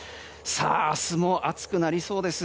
明日も暑くなりそうです。